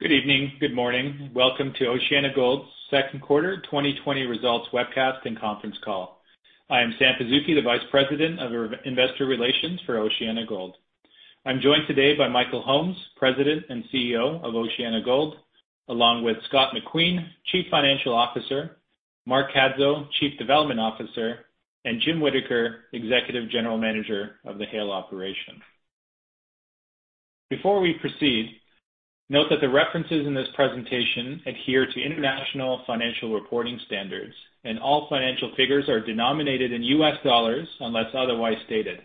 Good evening, good morning. Welcome to OceanaGold's second quarter 2020 results webcast and conference call. I am Sam Pazuki, the Vice President of Investor Relations for OceanaGold. I'm joined today by Michael Holmes, President and Chief Executive Officer of OceanaGold, along with Scott McQueen, Chief Financial Officer, Mark Cadzow, Chief Development Officer, and Jim Whittaker, Executive General Manager of the Haile Operation. Before we proceed, note that the references in this presentation adhere to International Financial Reporting Standards, and all financial figures are denominated in U.S. dollars unless otherwise stated.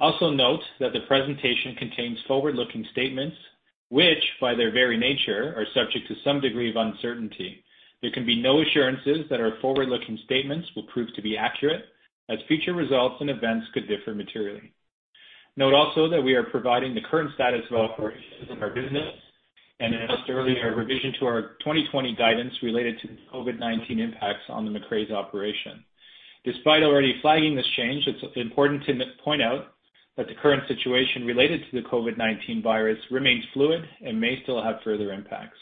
Also note that the presentation contains forward-looking statements, which, by their very nature, are subject to some degree of uncertainty. There can be no assurances that our forward-looking statements will prove to be accurate, as future results and events could differ materially. Note also that we are providing the current status of operations in our business and an earlier revision to our 2020 guidance related to the COVID-19 impacts on the Macraes operation. Despite already flagging this change, it is important to point out that the current situation related to the COVID-19 virus remains fluid and may still have further impacts.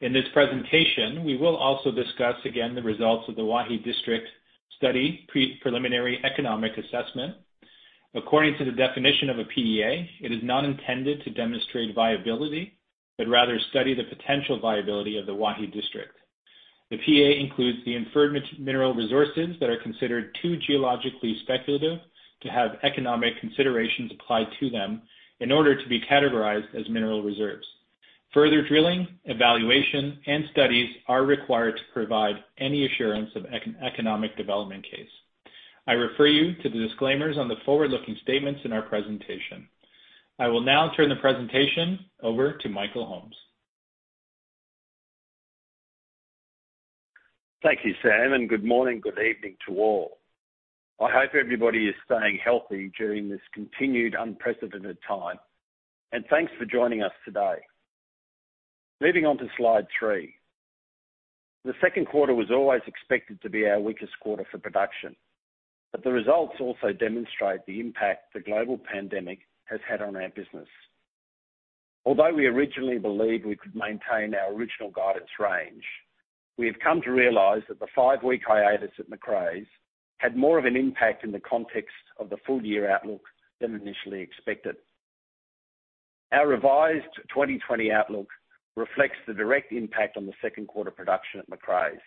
In this presentation, we will also discuss again the results of the Waihi District Study Preliminary Economic Assessment. According to the definition of a PEA, it is not intended to demonstrate viability, but rather study the potential viability of the Waihi District. The PEA includes the inferred mineral resources that are considered too geologically speculative to have economic considerations applied to them in order to be categorized as mineral reserves. Further drilling, evaluation, and studies are required to provide any assurance of economic development case. I refer you to the disclaimers on the forward-looking statements in our presentation. I will now turn the presentation over to Michael Holmes. Thank you, Sam. Good morning, good evening to all. I hope everybody is staying healthy during this continued unprecedented time. Thanks for joining us today. Moving on to slide three. The second quarter was always expected to be our weakest quarter for production, the results also demonstrate the impact the global pandemic has had on our business. Although we originally believed we could maintain our original guidance range, we have come to realize that the five-week hiatus at Macraes had more of an impact in the context of the full-year outlook than initially expected. Our revised 2020 outlook reflects the direct impact on the second quarter production at Macraes,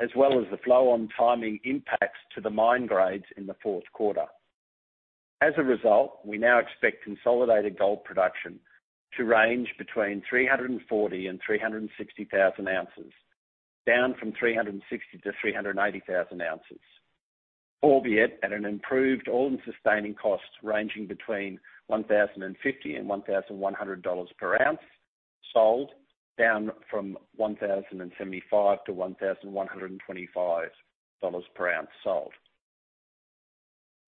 as well as the flow on timing impacts to the mine grades in the fourth quarter. As a result, we now expect consolidated gold production to range between 340,000 and 360,000 ounces, down from 360,000 to 380,000 ounces, albeit at an improved all-in sustaining cost ranging between $1,050 and $1,100 per ounce sold, down from $1,075-$1,125 per ounce sold.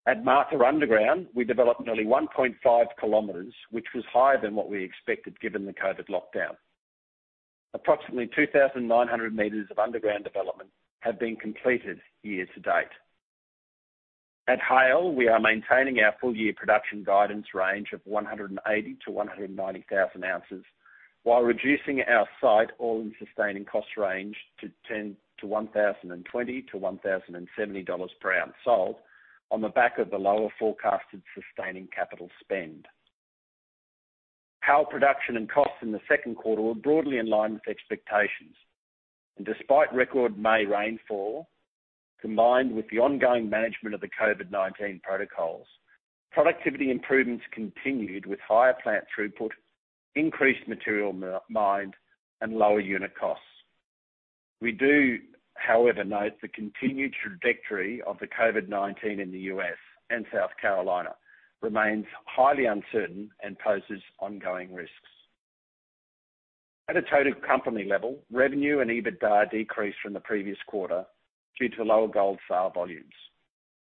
At Martha Underground, we developed nearly 1.5 kilometers, which was higher than what we expected given the COVID lockdown. Approximately 2,900 meters of underground development have been completed year-to-date. At Haile, we are maintaining our full-year production guidance range of 180,000 to 190,000 ounces, while reducing our site all-in sustaining cost range to $1,020-$1,070 per ounce sold on the back of the lower forecasted sustaining capital spend. Haile production and costs in the second quarter were broadly in line with expectations. Despite record May rainfall, combined with the ongoing management of the COVID-19 protocols, productivity improvements continued with higher plant throughput, increased material mined, and lower unit costs. We do, however, note the continued trajectory of the COVID-19 in the U.S. and South Carolina remains highly uncertain and poses ongoing risks. At a total company level, revenue and EBITDA decreased from the previous quarter due to lower gold sale volumes.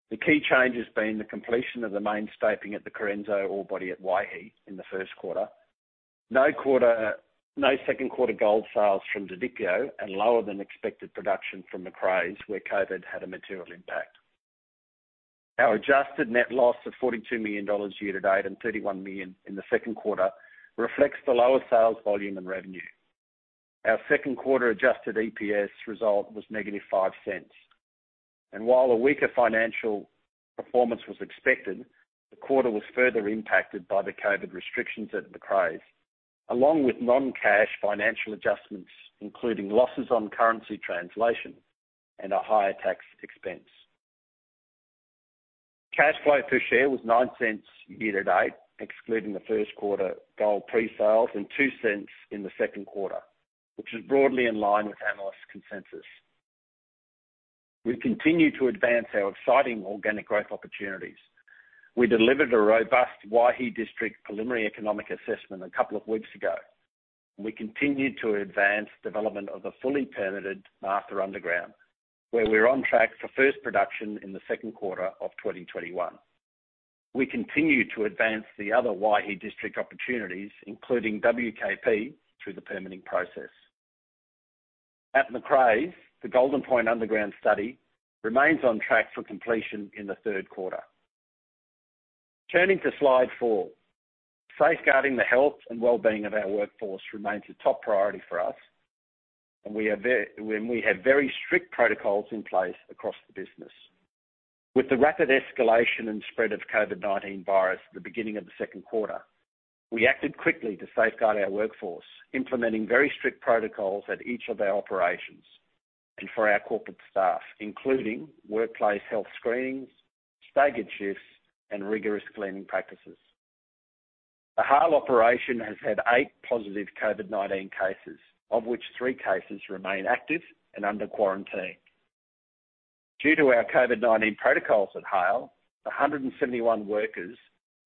The key changes being the completion of the main stoping at the Correnso ore body at Waihi in the first quarter. No second quarter gold sales from Didipio and lower than expected production from Macraes, where COVID had a material impact. Our adjusted net loss of $42 million year-to-date and $31 million in the second quarter reflects the lower sales volume and revenue. Our second quarter adjusted EPS result was negative $0.05. While a weaker financial performance was expected, the quarter was further impacted by the COVID restrictions at Macraes, along with non-cash financial adjustments, including losses on currency translation and a higher tax expense. Cash flow per share was $0.09 year-to-date, excluding the first quarter gold pre-sales, and $0.02 in the second quarter, which is broadly in line with analyst consensus. We continue to advance our exciting organic growth opportunities. We delivered a robust Waihi District Preliminary Economic Assessment a couple of weeks ago. We continue to advance development of the fully permitted Martha Underground, where we're on track for first production in the second quarter of 2021. We continue to advance the other Waihi District opportunities, including WKP, through the permitting process. At Macraes, the Golden Point underground study remains on track for completion in the third quarter. Turning to slide four, safeguarding the health and well-being of our workforce remains a top priority for us, and we have very strict protocols in place across the business. With the rapid escalation and spread of COVID-19 virus at the beginning of the second quarter, we acted quickly to safeguard our workforce, implementing very strict protocols at each of our operations and for our corporate staff, including workplace health screenings, staggered shifts, and rigorous cleaning practices. The Haile operation has had eight positive COVID-19 cases, of which three cases remain active and under quarantine. Due to our COVID-19 protocols at Haile, 171 workers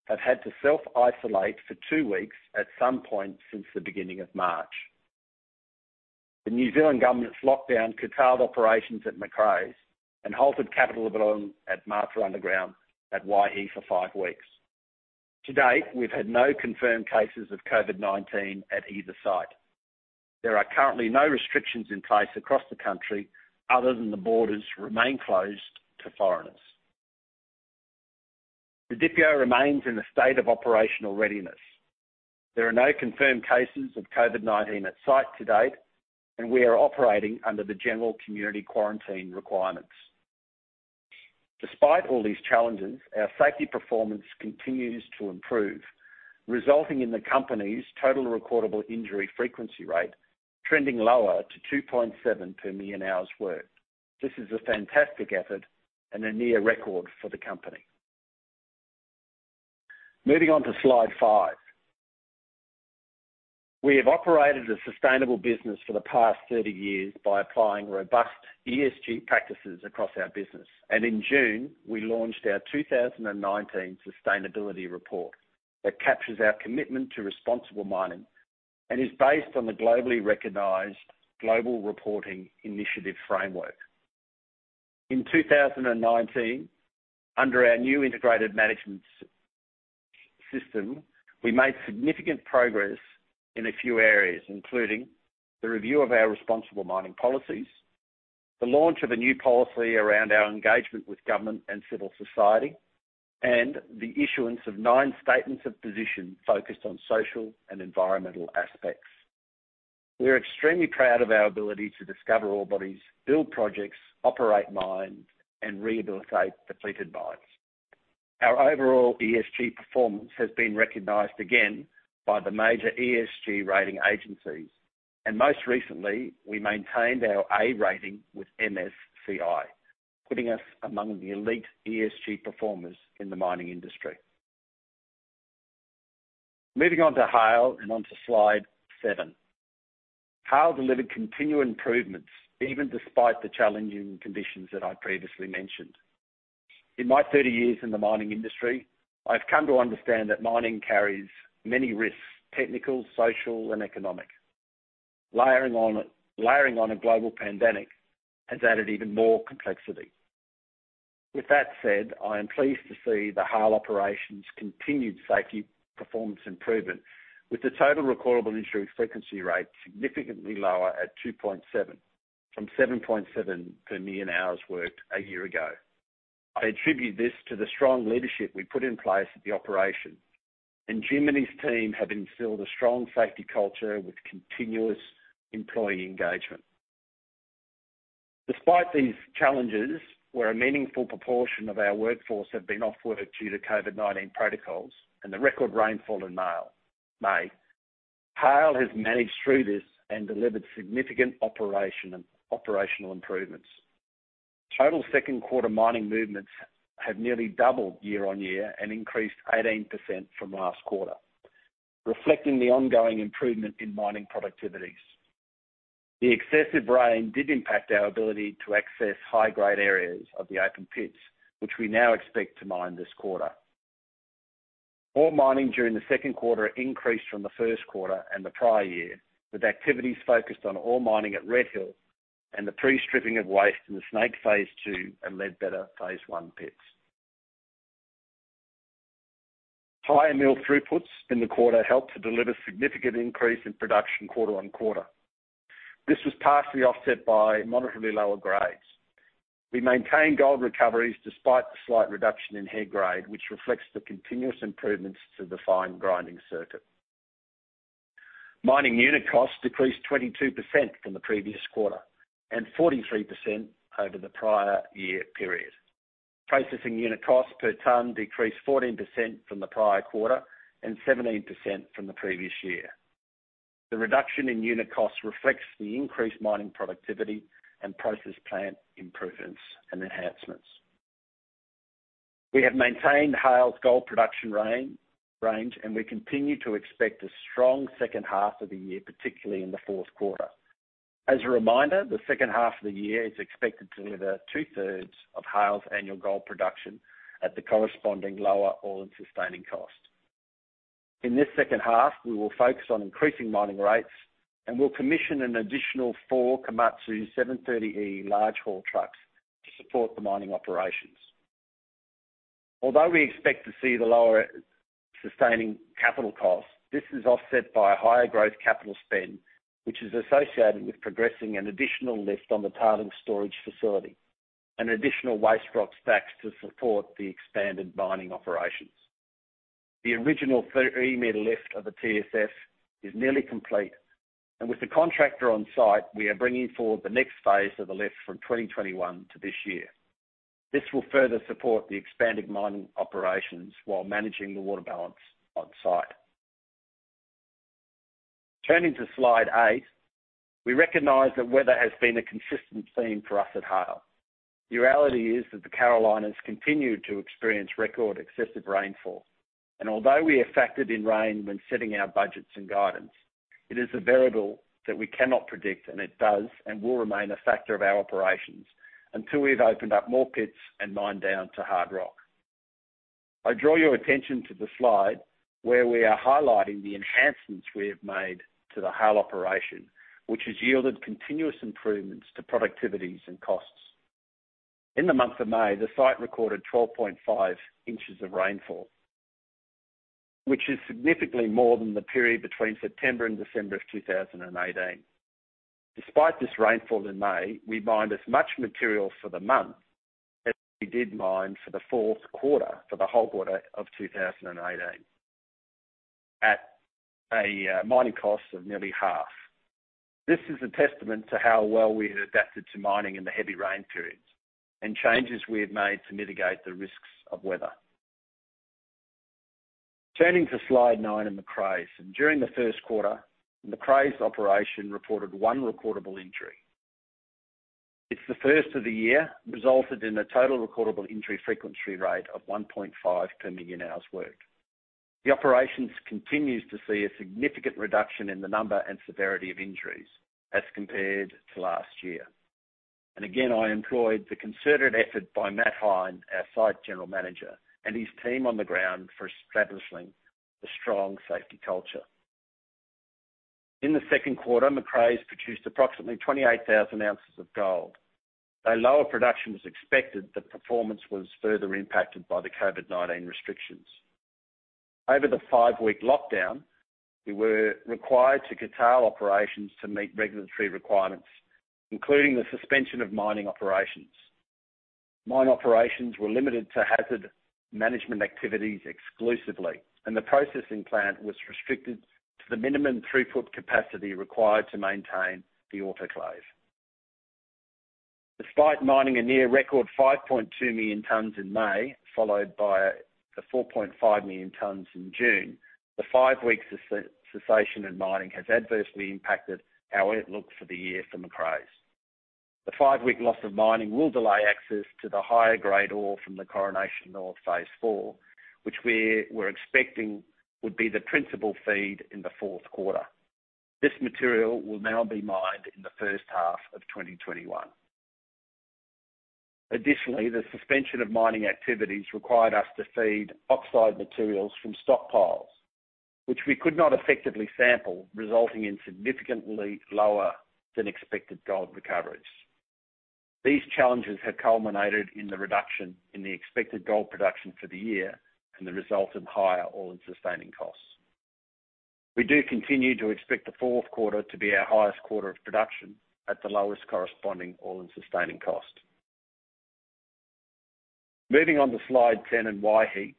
have had to self-isolate for two weeks at some point since the beginning of March. The New Zealand government's lockdown curtailed operations at Macraes and halted capital build at Martha Underground at Waihi for five weeks. To date, we've had no confirmed cases of COVID-19 at either site. There are currently no restrictions in place across the country other than the borders remain closed to foreigners. Didipio remains in a state of operational readiness. There are no confirmed cases of COVID-19 at site to date, and we are operating under the general community quarantine requirements. Despite all these challenges, our safety performance continues to improve, resulting in the company's total recordable injury frequency rate trending lower to 2.7 per million hours worked. This is a fantastic effort and a near record for the company. Moving on to slide five. We have operated a sustainable business for the past 30 years by applying robust ESG practices across our business. In June, we launched our 2019 sustainability report that captures our commitment to responsible mining and is based on the globally recognized Global Reporting Initiative framework. In 2019, under our new integrated management system, we made significant progress in a few areas, including the review of our responsible mining policies, the launch of a new policy around our engagement with government and civil society, and the issuance of nine statements of position focused on social and environmental aspects. We're extremely proud of our ability to discover ore bodies, build projects, operate mines, and rehabilitate depleted mines. Most recently, we maintained our A rating with MSCI, putting us among the elite ESG performers in the mining industry. Moving on to Haile and on to slide seven. Haile delivered continued improvements even despite the challenging conditions that I previously mentioned. In my 30 years in the mining industry, I've come to understand that mining carries many risks, technical, social, and economic. Layering on a global pandemic has added even more complexity. With that said, I am pleased to see the Haile operations' continued safety performance improvement with the total recordable injury frequency rate significantly lower at 2.7 from 7.7 per million hours worked a year ago. I attribute this to the strong leadership we put in place at the operation, and Jim and his team have instilled a strong safety culture with continuous employee engagement. Despite these challenges, where a meaningful proportion of our workforce have been off work due to COVID-19 protocols and the record rainfall in May, Haile has managed through this and delivered significant operational improvements. Total second quarter mining movements have nearly doubled year-on-year and increased 18% from last quarter, reflecting the ongoing improvement in mining productivities. The excessive rain did impact our ability to access high-grade areas of the open pits, which we now expect to mine this quarter. Ore mining during the second quarter increased from the first quarter and the prior year, with activities focused on ore mining at Red Hill and the pre-stripping of waste in phase II and phase I pits. Higher mill throughputs in the quarter helped to deliver significant increase in production quarter on quarter. This was partially offset by moderately lower grades. We maintained gold recoveries despite the slight reduction in head grade, which reflects the continuous improvements to the fine grinding circuit. Mining unit cost decreased 22% from the previous quarter and 43% over the prior year period. Processing unit cost per ton decreased 14% from the prior quarter and 17% from the previous year. The reduction in unit cost reflects the increased mining productivity and process plant improvements and enhancements. We have maintained Haile's gold production range, and we continue to expect a strong second half of the year, particularly in the fourth quarter. As a reminder, the second half of the year is expected to deliver two-thirds of Haile's annual gold production at the corresponding lower all-in sustaining cost. In this second half, we will focus on increasing mining rates, and we'll commission an additional four Komatsu 730E large-haul trucks to support the mining operations. Although we expect to see the lower sustaining capital costs, this is offset by a higher growth capital spend, which is associated with progressing an additional list on the tailings storage facility, and additional waste rock stacks to support the expanded mining operations. The original 30-meter lift of the TSF is nearly complete. With the contractor on site, we are bringing forward the next phase of the lift from 2021 to this year. This will further support the expanded mining operations while managing the water balance on site. Turning to slide eight. We recognize that weather has been a consistent theme for us at Haile. The reality is that the Carolinas continue to experience record excessive rainfall. Although we have factored in rain when setting our budgets and guidance, it is a variable that we cannot predict, and it does and will remain a factor of our operations until we've opened up more pits and mined down to hard rock. I draw your attention to the slide where we are highlighting the enhancements we have made to the Haile operation, which has yielded continuous improvements to productivities and costs. In the month of May, the site recorded 12.5 inches of rainfall, which is significantly more than the period between September and December of 2018. Despite this rainfall in May, we mined as much material for the month as we did mine for the fourth quarter, for the whole quarter of 2018, at a mining cost of nearly half. This is a testament to how well we have adapted to mining in the heavy rain periods and changes we have made to mitigate the risks of weather. Turning to slide nine in Macraes. During the first quarter, Macraes operation reported one recordable injury. It's the first of the year, resulted in a total recordable injury frequency rate of 1.5 per million hours worked. The operations continues to see a significant reduction in the number and severity of injuries as compared to last year. Again, I applaud the concerted effort by Matt Hein, our site general manager, and his team on the ground for establishing a strong safety culture. In the second quarter, Macraes produced approximately 28,000 ounces of gold. A lower production was expected, performance was further impacted by the COVID-19 restrictions. Over the five-week lockdown, we were required to curtail operations to meet regulatory requirements, including the suspension of mining operations. Mine operations were limited to hazard management activities exclusively, the processing plant was restricted to the minimum throughput capacity required to maintain the autoclave. Despite mining a near record 5.2 million tonnes in May, followed by the 4.5 million tonnes in June, the five-week cessation in mining has adversely impacted our outlook for the year for Macraes. The five-week loss of mining will delay access to the higher-grade ore from the phase IV, which we were expecting would be the principal feed in the fourth quarter. This material will now be mined in the first half of 2021. The suspension of mining activities required us to feed oxide materials from stockpiles, which we could not effectively sample, resulting in significantly lower than expected gold recoveries. These challenges have culminated in the reduction in the expected gold production for the year and the result of higher all-in sustaining costs. We do continue to expect the fourth quarter to be our highest quarter of production at the lowest corresponding all-in sustaining cost. Moving on to slide 10 in Waihi.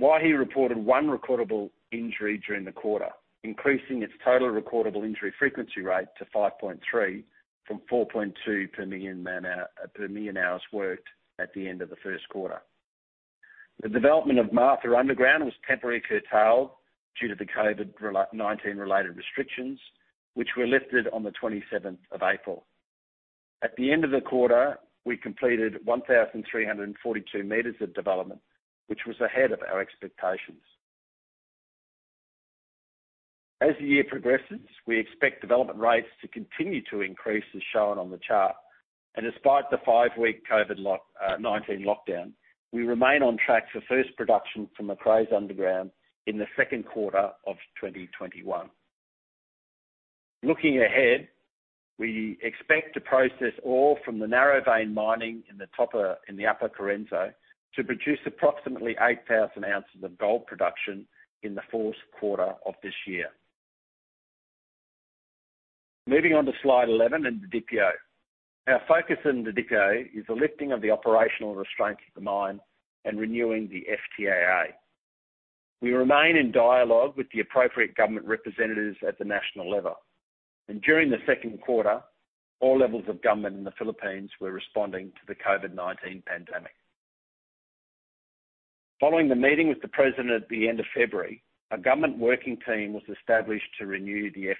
Waihi reported one recordable injury during the quarter, increasing its total recordable injury frequency rate to 5.3 from 4.2 per million hours worked at the end of the first quarter. The development of Martha Underground was temporarily curtailed due to the COVID-19 related restrictions, which were lifted on the April 27th. At the end of the quarter, we completed 1,342 meters of development, which was ahead of our expectations. As the year progresses, we expect development rates to continue to increase as shown on the chart. Despite the five-week COVID-19 lockdown, we remain on track for first production from the Macraes underground in the second quarter of 2021. Looking ahead, we expect to process ore from the narrow vein mining in the upper Correnso to produce approximately 8,000 ounces of gold production in the fourth quarter of this year. Moving on to slide 11 in Didipio. Our focus in Didipio is the lifting of the operational restraints of the mine and renewing the FTAA. We remain in dialogue with the appropriate government representatives at the national level. During the second quarter, all levels of government in the Philippines were responding to the COVID-19 pandemic. Following the meeting with the President at the end of February, a government working team was established to review the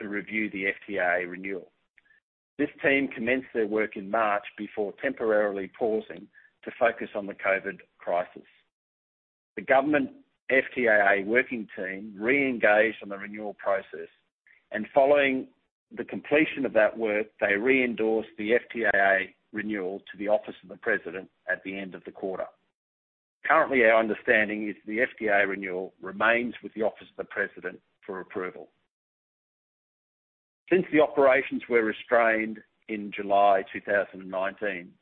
FTAA renewal. This team commenced their work in March before temporarily pausing to focus on the COVID crisis. The government FTAA working team re-engaged on the renewal process, and following the completion of that work, they re-endorsed the FTAA renewal to the office of the president at the end of the quarter. Currently, our understanding is the FTAA renewal remains with the office of the president for approval. Since the operations were restrained in July 2019,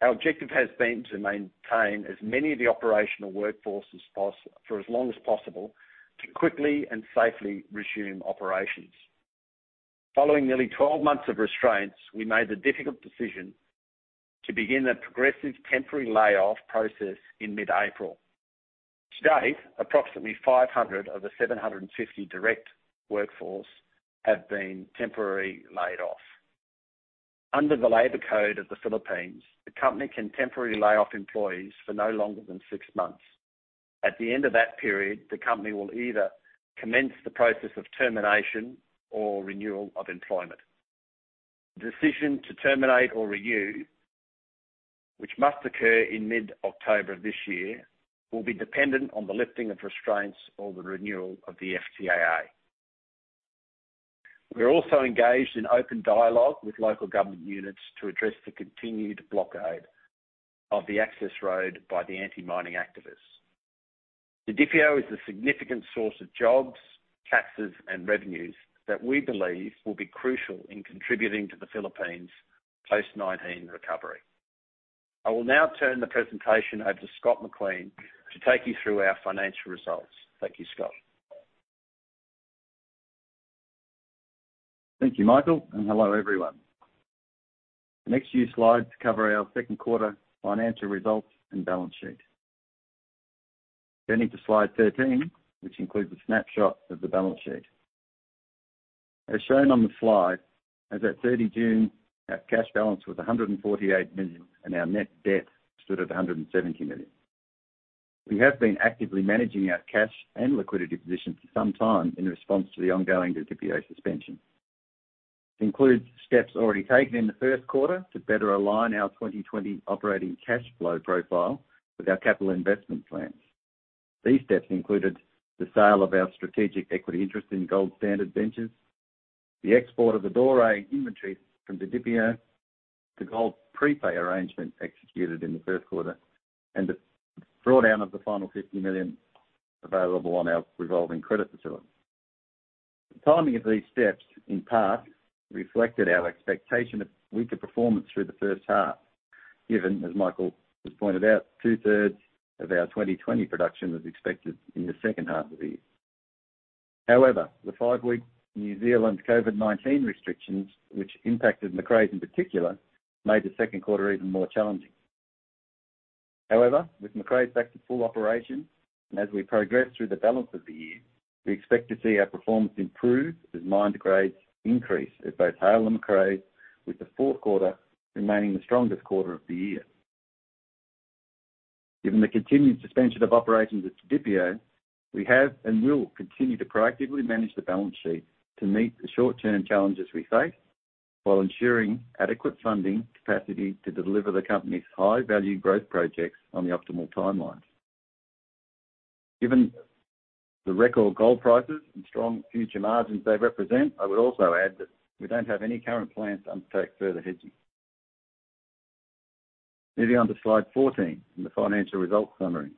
our objective has been to maintain as many of the operational workforce for as long as possible to quickly and safely resume operations. Following nearly 12 months of restraints, we made the difficult decision to begin a progressive temporary layoff process in mid-April. To date, approximately 500 of the 750 direct workforce have been temporarily laid off. Under the Labor Code of the Philippines, the company can temporarily lay off employees for no longer than six months. At the end of that period, the company will either commence the process of termination or renewal of employment. The decision to terminate or renew, which must occur in mid-October of this year, will be dependent on the lifting of restraints or the renewal of the FTAA. We are also engaged in open dialogue with local government units to address the continued blockade of the access road by the anti-mining activists. Didipio is a significant source of jobs, taxes, and revenues that we believe will be crucial in contributing to the Philippines' post-19 recovery. I will now turn the presentation over to Scott McQueen to take you through our financial results. Thank you, Scott. Thank you, Michael, and hello, everyone. The next few slides cover our second quarter financial results and balance sheet. Turning to slide 13, which includes a snapshot of the balance sheet. As shown on the slide, as at June 30th, our cash balance was $148 million, and our net debt stood at $170 million. We have been actively managing our cash and liquidity position for some time in response to the ongoing Didipio suspension, including steps already taken in the first quarter to better align our 2020 operating cash flow profile with our capital investment plans. These steps included the sale of our strategic equity interest in Gold Standard Ventures, the export of the Doré inventory from Didipio, the gold pre-pay arrangement executed in the first quarter, and the draw down of the final $50 million available on our revolving credit facility. The timing of these steps, in part, reflected our expectation of weaker performance through the first half, given, as Michael has pointed out, two-thirds of our 2020 production was expected in the second half of the year. The five-week New Zealand COVID-19 restrictions, which impacted Macraes in particular, made the second quarter even more challenging. With Macraes back to full operation and as we progress through the balance of the year, we expect to see our performance improve as mine grades increase at both Haile and Macraes, with the fourth quarter remaining the strongest quarter of the year. Given the continued suspension of operations at Didipio, we have and will continue to proactively manage the balance sheet to meet the short-term challenges we face while ensuring adequate funding capacity to deliver the company's high-value growth projects on the optimal timelines. Given the record gold prices and strong future margins they represent, I would also add that we don't have any current plans to undertake further hedging. Moving on to slide 14 and the financial results summary.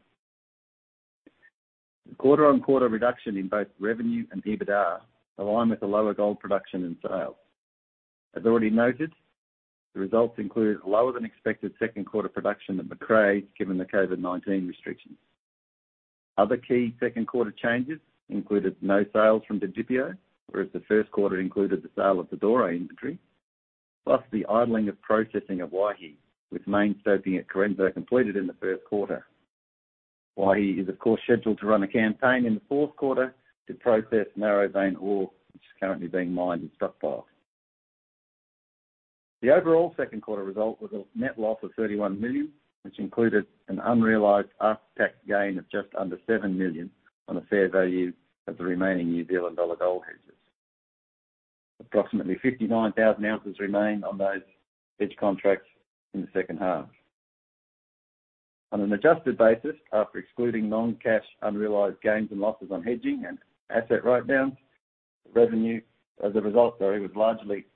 The quarter-on-quarter reduction in both revenue and EBITDA align with the lower gold production and sales. As already noted, the results include a lower than expected second quarter production at Macraes given the COVID-19 restrictions. Other key second quarter changes included no sales from Didipio, whereas the first quarter included the sale of the Doré inventory, plus the idling of processing of Waihi, with main stoping at Correnso completed in the first quarter. Waihi is, of course, scheduled to run a campaign in the fourth quarter to process narrow vein ore, which is currently being mined at stockpiles. The overall second quarter result was a net loss of $31 million, which included an unrealized after-tax gain of just under 7 million on the fair value of the remaining New Zealand dollar gold hedges. Approximately 59,000 ounces remained on those hedge contracts in the second half. On an adjusted basis, after excluding non-cash unrealized gains and losses on hedging and asset write-down, revenue as a result, sorry, was largely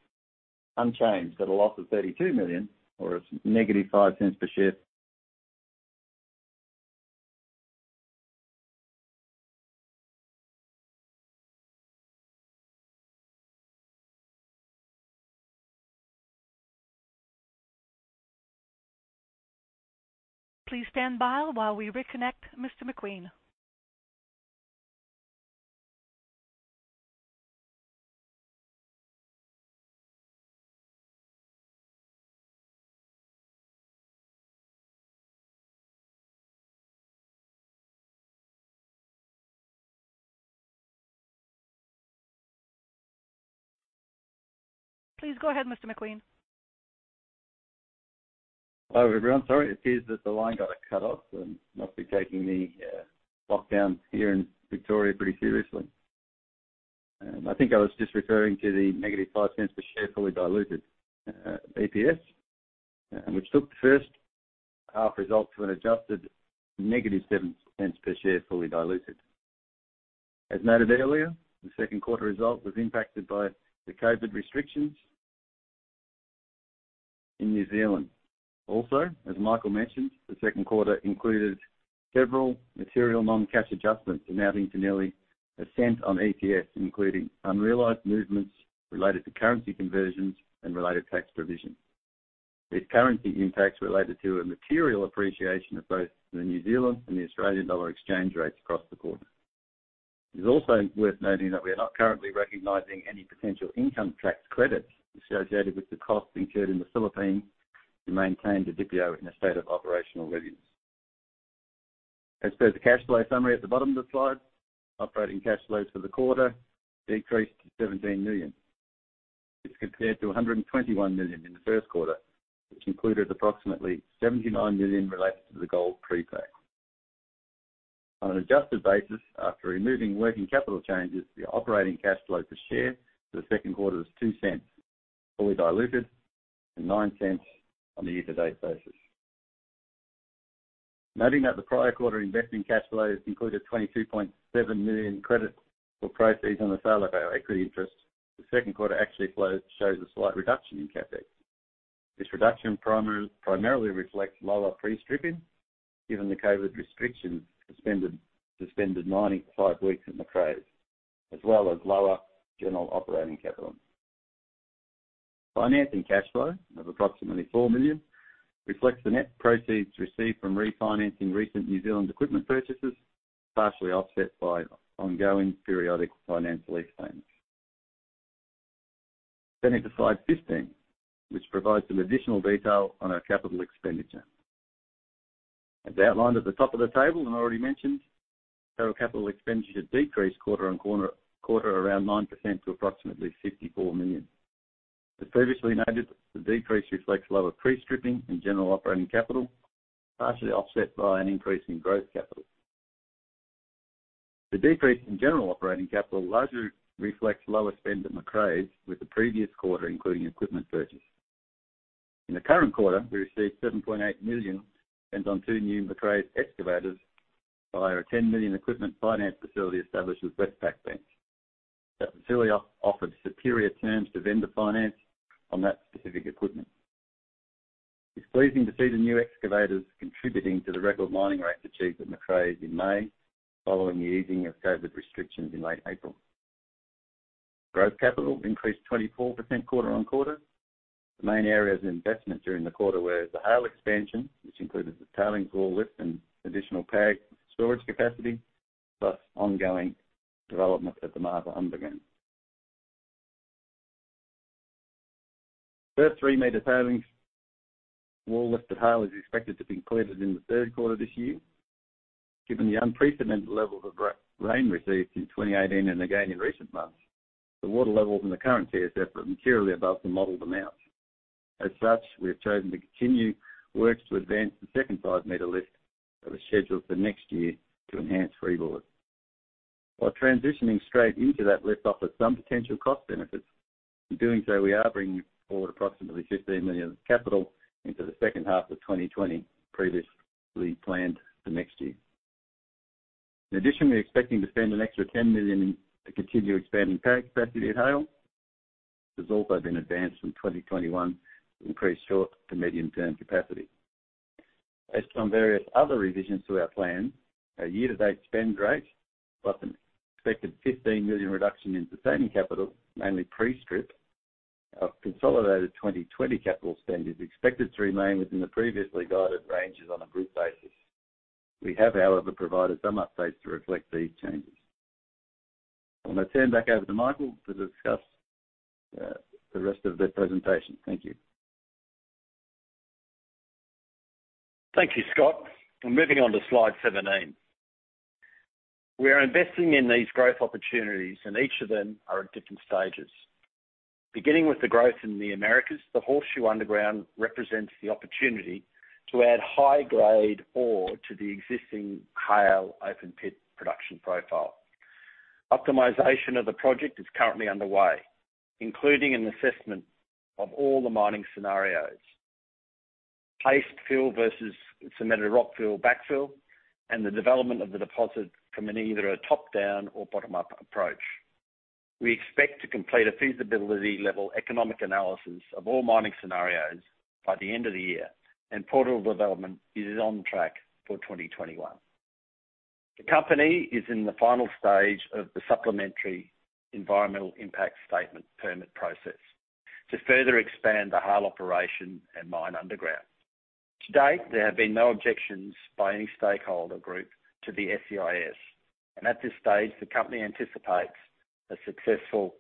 unchanged at a loss of $32 million or a negative $0.05 per share. Please stand by while we reconnect Mr. McQueen. Please go ahead, Mr. McQueen. Hello, everyone. Sorry, it appears that the line got cut off and must be taking the lockdown here in Victoria pretty seriously. I think I was just referring to the negative $0.05 per share, fully diluted EPS, which took the first half result to an adjusted negative $0.07 per share, fully diluted. As noted earlier, the second quarter result was impacted by the COVID restrictions in New Zealand. Also, as Michael mentioned, the second quarter included several material non-cash adjustments amounting to nearly $0.01 on EPS, including unrealized movements related to currency conversions and related tax provisions. These currency impacts related to a material appreciation of both the New Zealand and the Australian dollar exchange rates across the quarter. It is also worth noting that we are not currently recognizing any potential income tax credits associated with the costs incurred in the Philippines to maintain the Didipio in a state of operational readiness. As per the cash flow summary at the bottom of the slide, operating cash flows for the quarter decreased to $17 million. This compared to $121 million in the first quarter, which included approximately $79 million related to the gold pre-pay. On an adjusted basis after removing working capital changes, the operating cash flow per share for the second quarter was $0.02, fully diluted, and $0.09 on the year-to-date basis. Noting that the prior quarter investing cash flows included $22.7 million credit for proceeds on the sale of our equity interest, the second quarter actually shows a slight reduction in CapEx. This reduction primarily reflects lower pre-stripping, given the COVID-19 restrictions suspended mining for five weeks at Macraes, as well as lower general operating capital. Financing cash flow of approximately $4 million reflects the net proceeds received from refinancing recent New Zealand equipment purchases, partially offset by ongoing periodic finance lease payments. Into slide 15, which provides some additional detail on our capital expenditure. As outlined at the top of the table and already mentioned, total capital expenditure decreased quarter-on-quarter around 9% to approximately $54 million. As previously noted, the decrease reflects lower pre-stripping and general operating capital, partially offset by an increase in growth capital. The decrease in general operating capital largely reflects lower spend at Macraes with the previous quarter including equipment purchase. In the current quarter, we received $7.8 million spent on two new Macraes excavators via a $10 million equipment finance facility established with Westpac Bank. That facility offered superior terms to vendor finance on that specific equipment. It's pleasing to see the new excavators contributing to the record mining rates achieved at Macraes in May, following the easing of COVID restrictions in late April. Growth capital increased 24% quarter-on-quarter. The main areas of investment during the quarter were the Haile expansion, which included the tailings wall lift and additional PAG storage capacity, plus ongoing development at the Martha Underground. First three-meter tailings wall lift at Haile is expected to be completed in the third quarter this year. Given the unprecedented levels of rain received in 2018 and again in recent months, the water levels in the current TSF are materially above the modeled amounts. As such, we have chosen to continue works to advance the second five-meter lift that was scheduled for next year to enhance freeboard. While transitioning straight into that lift offers some potential cost benefits. In doing so, we are bringing forward approximately $15 million of capital into the second half of 2020, previously planned for next year. In addition, we're expecting to spend an extra $10 million in to continue expanding PAG capacity at Haile. This has also been advanced from 2021 to increase short to medium-term capacity. Based on various other revisions to our plan, our year-to-date spend rate, plus an expected $15 million reduction in sustaining capital, mainly pre-strip, our consolidated 2020 capital spend is expected to remain within the previously guided ranges on a group basis. We have, however, provided some updates to reflect these changes. I'm going to turn back over to Michael to discuss the rest of the presentation. Thank you. Thank you, Scott. Moving on to slide 17. We are investing in these growth opportunities, and each of them are at different stages. Beginning with the growth in the Americas, the Horseshoe Underground represents the opportunity to add high-grade ore to the existing Haile open pit production profile. Optimization of the project is currently underway, including an assessment of all the mining scenarios. Paste fill versus cemented rock fill backfill, and the development of the deposit from either a top-down or bottom-up approach. We expect to complete a feasibility-level economic analysis of all mining scenarios by the end of the year, and portal development is on track for 2021. The company is in the final stage of the supplementary environmental impact statement permit process to further expand the Haile operation and mine underground. To date, there have been no objections by any stakeholder group to the SEIS, and at this stage, the company anticipates a successful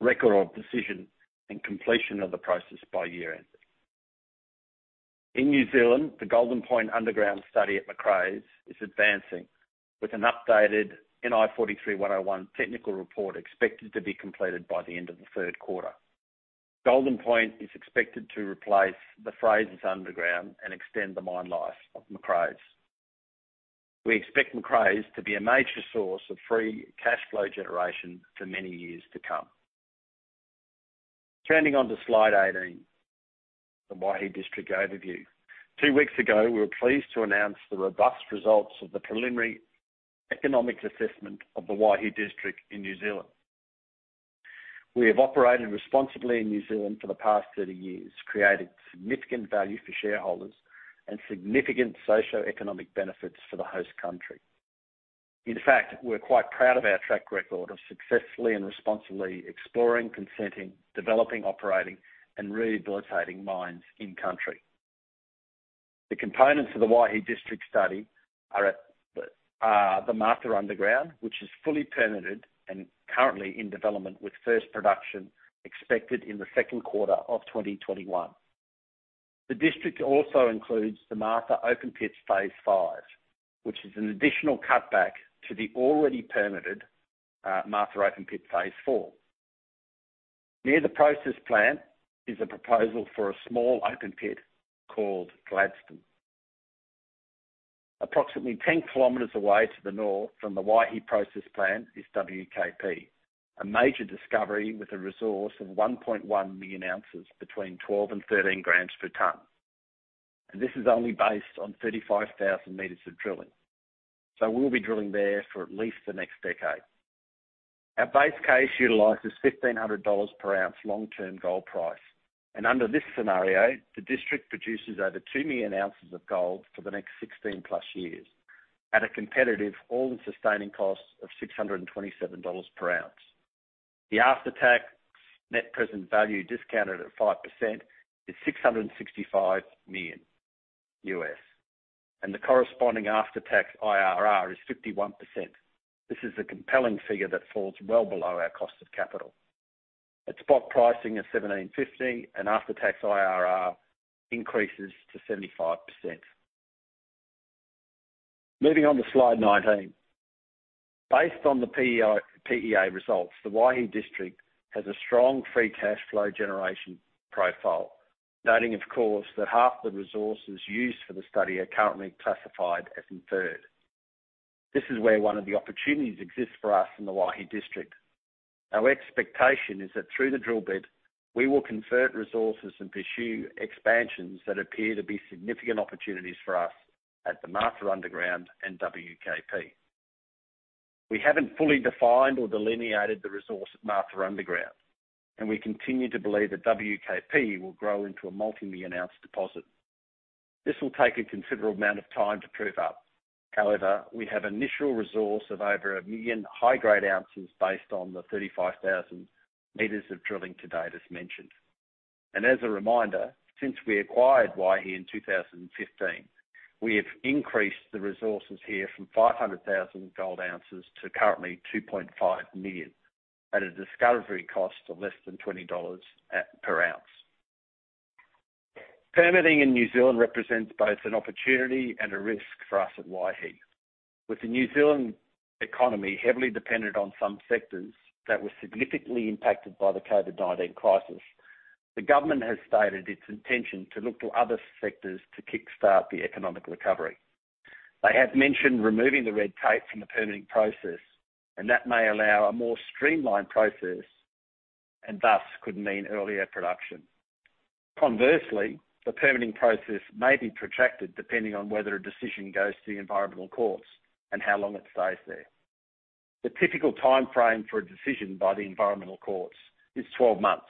record of decision and completion of the process by year-end. In New Zealand, the Golden Point underground study at Macraes is advancing with an updated NI 43-101 technical report expected to be completed by the end of the third quarter. Golden Point is expected to replace the Frasers Underground and extend the mine life of Macraes. We expect Macraes to be a major source of free cash flow generation for many years to come. Turning on to slide eighteen, the Waihi District overview. Two weeks ago, we were pleased to announce the robust results of the preliminary Economic assessment of the Waihi District in New Zealand. We have operated responsibly in New Zealand for the past 30 years, created significant value for shareholders, and significant socioeconomic benefits for the host country. In fact, we're quite proud of our track record of successfully and responsibly exploring, consenting, developing, operating, and rehabilitating mines in country. The components of the Waihi District Study are the Martha Underground, which is fully permitted and currently in development with first production expected in the second quarter of 2021. The district also includes the Martha open pit phase V, which is an additional cutback to the already permitted Martha phase IV. near the process plant is a proposal for a small open pit called Gladstone. Approximately 10 kilometers away to the north from the Waihi process plant is WKP, a major discovery with a resource of 1.1 million ounces between 12 and 13 grams per ton. This is only based on 35,000 meters of drilling. We'll be drilling there for at least the next decade. Our base case utilizes $1,500 per ounce long-term gold price, and under this scenario, the district produces over 2 million ounces of gold for the next 16 plus years at a competitive all-in sustaining cost of $627 per ounce. The after-tax net present value discounted at 5% is $665 million U.S., and the corresponding after-tax IRR is 51%. This is a compelling figure that falls well below our cost of capital. At spot pricing of $1,750 and after-tax IRR increases to 75%. Moving on to slide 19. Based on the PEA results, the Waihi District has a strong free cash flow generation profile, noting of course that half the resources used for the study are currently classified as inferred. This is where one of the opportunities exists for us in the Waihi District. Our expectation is that through the drill bit, we will convert resources and pursue expansions that appear to be significant opportunities for us at the Martha Underground and WKP. We haven't fully defined or delineated the resource at Martha Underground, and we continue to believe that WKP will grow into a multi-million ounce deposit. This will take a considerable amount of time to prove up. However, we have initial resource of over 1 million high-grade ounces based on the 35,000 meters of drilling to date, as mentioned. As a reminder, since we acquired Waihi in 2015, we have increased the resources here from 500,000 gold ounces to currently 2.5 million at a discovery cost of less than $20 per ounce. Permitting in New Zealand represents both an opportunity and a risk for us at Waihi. With the New Zealand economy heavily dependent on some sectors that were significantly impacted by the COVID-19 crisis, the government has stated its intention to look to other sectors to kickstart the economic recovery. They have mentioned removing the red tape from the permitting process, and that may allow a more streamlined process, and thus could mean earlier production. Conversely, the permitting process may be protracted depending on whether a decision goes to the environmental courts and how long it stays there. The typical timeframe for a decision by the environmental courts is 12 months,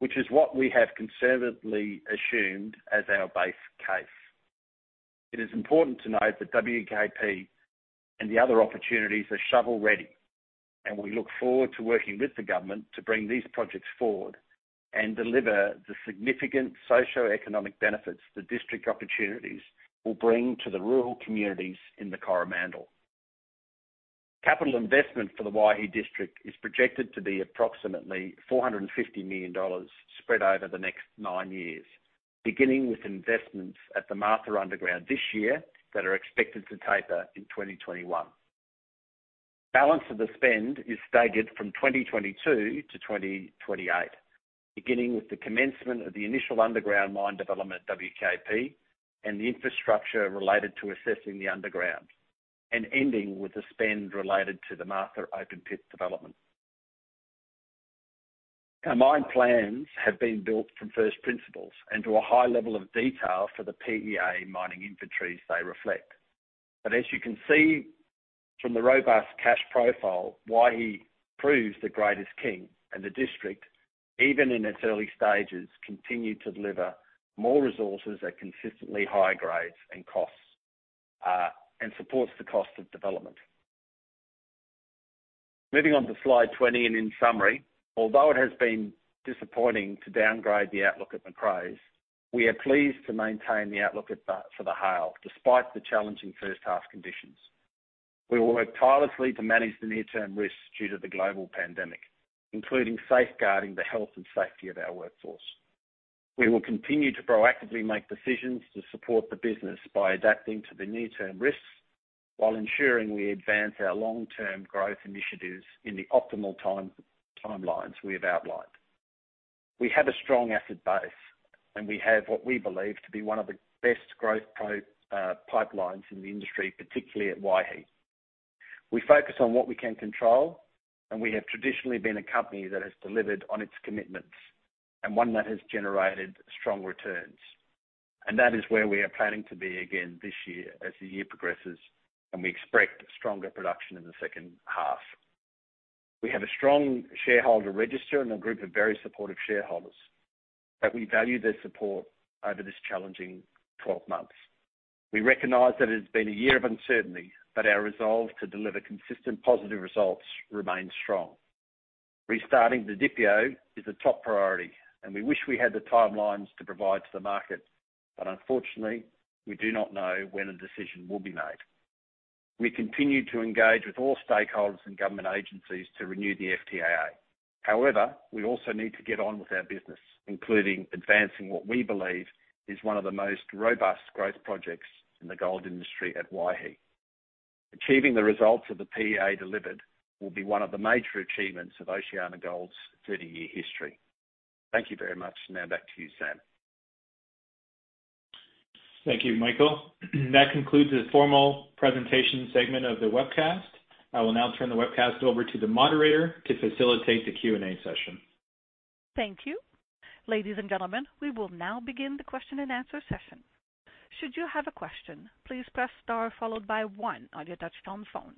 which is what we have conservatively assumed as our base case. It is important to note that WKP and the other opportunities are shovel-ready, and we look forward to working with the government to bring these projects forward and deliver the significant socioeconomic benefits the district opportunities will bring to the rural communities in the Coromandel. Capital investment for the Waihi District is projected to be approximately $450 million, spread over the next nine years, beginning with investments at the Martha Underground this year that are expected to taper in 2021. Balance of the spend is staged from 2022 to 2028, beginning with the commencement of the initial underground mine development at WKP and the infrastructure related to accessing the underground, and ending with the spend related to the Martha open pit development. Our mine plans have been built from first principles and to a high level of detail for the PEA mining inventories they reflect. As you can see from the robust cash profile, Waihi proves the grade is king and the district, even in its early stages, continue to deliver more resources at consistently high grades and costs, and supports the cost of development. Moving on to slide 20, in summary, although it has been disappointing to downgrade the outlook at Macraes, we are pleased to maintain the outlook for the Haile, despite the challenging first half conditions. We will work tirelessly to manage the near-term risks due to the global pandemic, including safeguarding the health and safety of our workforce. We will continue to proactively make decisions to support the business by adapting to the near-term risks while ensuring we advance our long-term growth initiatives in the optimal timelines we have outlined. We have a strong asset base, and we have what we believe to be one of the best growth pipelines in the industry, particularly at Waihi. We focus on what we can control, and we have traditionally been a company that has delivered on its commitments, and one that has generated strong returns. That is where we are planning to be again this year as the year progresses, and we expect stronger production in the second half. We have a strong shareholder register and a group of very supportive shareholders, and we value their support over this challenging 12 months. We recognize that it has been a year of uncertainty, but our resolve to deliver consistent positive results remains strong. Restarting the Didipio is a top priority. We wish we had the timelines to provide to the market, but unfortunately, we do not know when a decision will be made. We continue to engage with all stakeholders and government agencies to renew the FTAA. However, we also need to get on with our business, including advancing what we believe is one of the most robust growth projects in the gold industry at Waihi. Achieving the results of the PEA delivered will be one of the major achievements of OceanaGold's 30-year history. Thank you very much. Now back to you, Sam. Thank you, Michael. That concludes the formal presentation segment of the webcast. I will now turn the webcast over to the moderator to facilitate the Q&A session. Thank you. Ladies and gentlemen, we will now begin the question and answer session. Should you have a question, please press star followed by one on your touch-tone phone.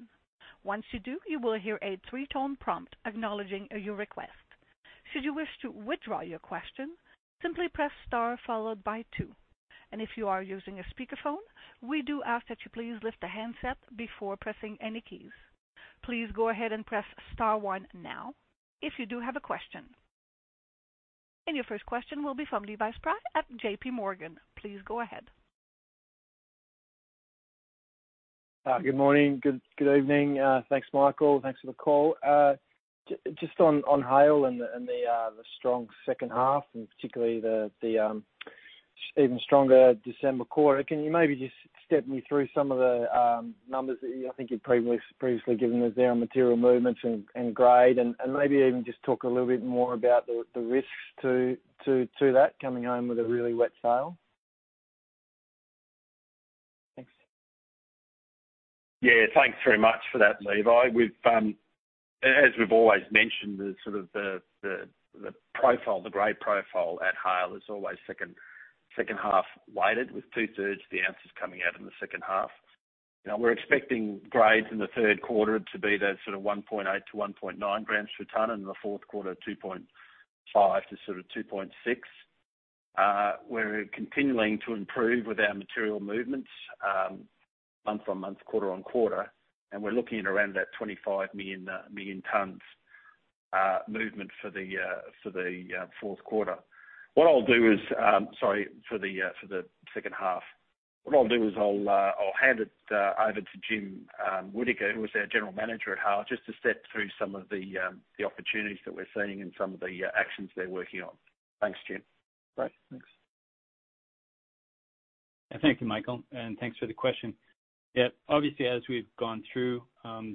Once you do, you will hear a three-tone prompt acknowledging your request. Should you wish to withdraw your question, simply press star followed by two. If you are using a speakerphone, we do ask that you please lift the handset before pressing any keys. Please go ahead and press star one now if you do have a question. Your first question will be from Levi Spry at JPMorgan. Please go ahead. Good morning. Good evening. Thanks, Michael. Thanks for the call. Just on Haile and the strong second half, and particularly the even stronger December quarter, can you maybe just step me through some of the numbers that I think you've previously given us there on material movements and grade, and maybe even just talk a little bit more about the risks to that coming home with a really wet season? Thanks. Yeah, thanks very much for that, Levi. As we've always mentioned, the sort of profile, the grade profile at Haile is always second half weighted, with two-thirds of the ounces coming out in the second half. We're expecting grades in the third quarter to be that sort of 1.8-1.9 grams per ton and the fourth quarter, 2.5 to sort of 2.6. We're continuing to improve with our material movements month-on-month, quarter-on-quarter, and we're looking at around that 25 million tons movement for the fourth quarter. What I'll do is, sorry, for the second half. What I'll do is I'll hand it over to Jim Whittaker, who is our general manager at Haile, just to step through some of the opportunities that we're seeing and some of the actions they're working on. Thanks, Jim. Great. Thanks. Thank you, Michael, and thanks for the question. Yeah, obviously, as we've gone through,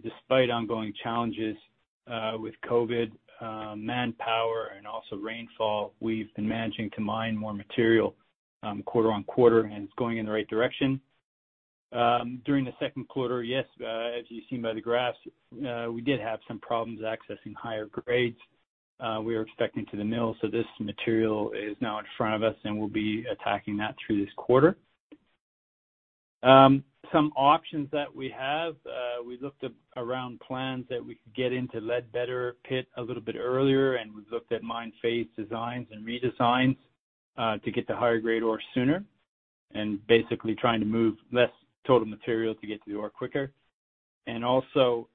despite ongoing challenges with COVID, manpower and also rainfall, we've been managing to mine more material quarter on quarter, and it's going in the right direction. During the second quarter, yes, as you've seen by the graphs, we did have some problems accessing higher grades we were expecting to the mill. This material is now in front of us, and we'll be attacking that through this quarter. Some options that we have, we looked around plans that we could get into Ledbetter pit a little bit earlier, and we've looked at mine phase designs and redesigns to get the higher grade ore sooner, and basically trying to move less total material to get the ore quicker. Also,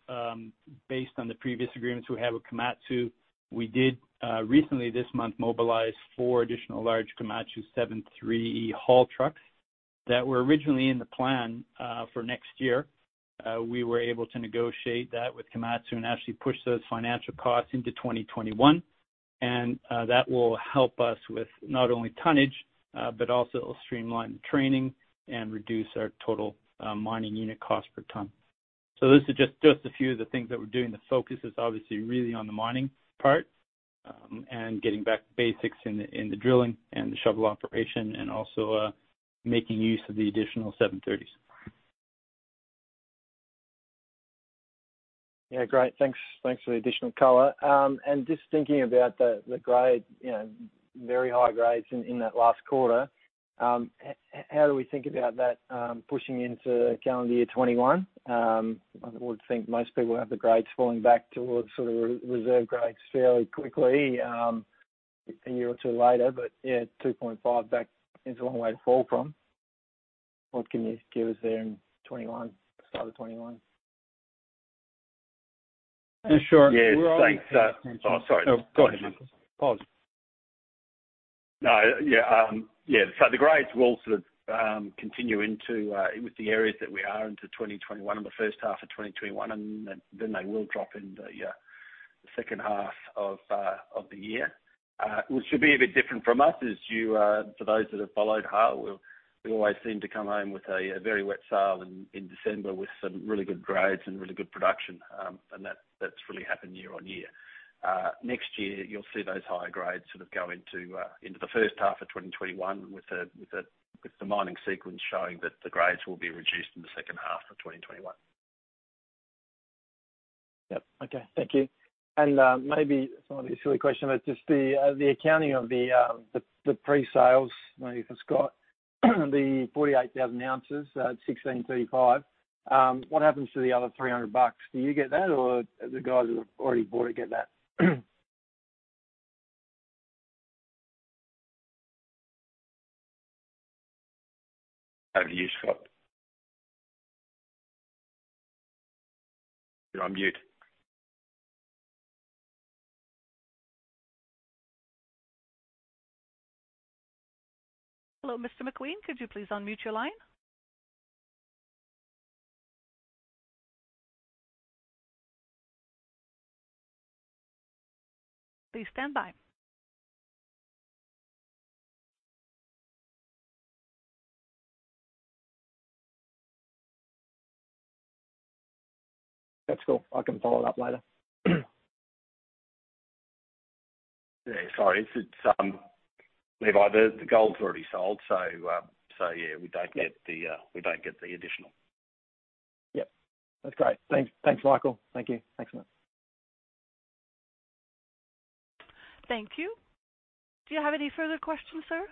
based on the previous agreements we have with Komatsu, we did, recently this month, mobilize four additional large Komatsu 730E haul trucks that were originally in the plan for next year. We were able to negotiate that with Komatsu and actually push those financial costs into 2021. That will help us with not only tonnage, but also it'll streamline training and reduce our total mining unit cost per ton. This is just a few of the things that we're doing. The focus is obviously really on the mining part, and getting back to basics in the drilling and the shovel operation, and also making use of the additional 730s. Yeah, great. Thanks for the additional color. Just thinking about the grade, very high grades in that last quarter. How do we think about that pushing into calendar year 2021? I would think most people have the grades falling back towards sort of reserve grades fairly quickly, a year or two later, but yeah, 2.5 back is a long way to fall from. What can you give us there in 2021, start of 2021? Sure. Yeah. Thanks. We're only. Oh, sorry. Oh, go ahead, Michael. No. Yeah. The grades will sort of continue into, with the areas that we are into 2021, in the first half of 2021, and then they will drop in the second half of the year. What should be a bit different from us is you, for those that have followed Haile, we always seem to come home with a very wet sail in December with some really good grades and really good production. That's really happened year-on-year. Next year, you'll see those higher grades sort of go into the first half of 2021 with the mining sequence showing that the grades will be reduced in the second half of 2021. Yep. Okay. Thank you. Maybe, this might be a silly question, but just the accounting of the pre-sales, maybe for Scott, the 48,000 ounces at $1,635. What happens to the other $300? Do you get that or the guys that have already bought it get that? Over to you, Scott. You're on mute. Hello, Mr. McQueen, could you please unmute your line? Please stand by. That's cool. I can follow it up later. Yeah. Sorry. Levi, the gold's already sold. Yeah, we don't get the additional. Yep. That's great. Thanks, Michael. Thank you. Thanks so much. Thank you. Do you have any further questions, sir?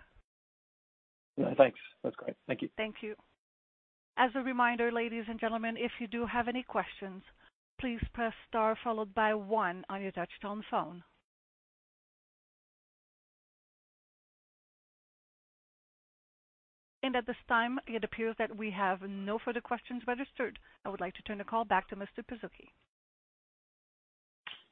No, thanks. That's great. Thank you. Thank you. As a reminder, ladies and gentlemen, if you do have any questions, please press star followed by one on your touchtone phone. At this time, it appears that we have no further questions registered. I would like to turn the call back to Mr. Pazuki.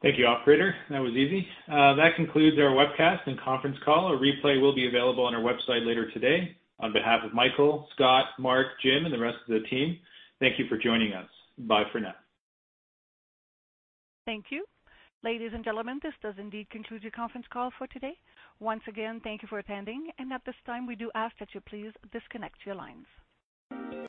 Thank you, operator. That was easy. That concludes our webcast and conference call. A replay will be available on our website later today. On behalf of Michael, Scott, Mark, Jim, and the rest of the team, thank you for joining us. Bye for now. Thank you. Ladies and gentlemen, this does indeed conclude your conference call for today. Once again, thank you for attending, and at this time, we do ask that you please disconnect your lines.